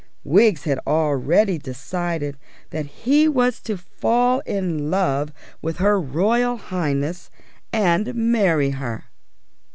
Wiggs had already decided that he was to fall in love with her Royal Highness and marry her.